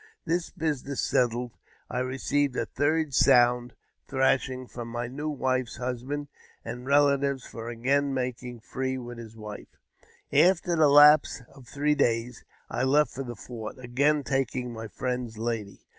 This business settled, I received a third sound thrashing from my new wdfe's husband and relatives for again making free with his wife. After the lapse of three days I left for the fort, again taking my friend's lady.